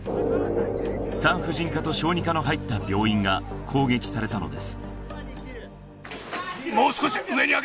産婦人科と小児科の入った病院が攻撃されたのです